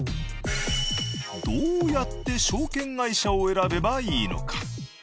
どうやって証券会社を選べばいいのか？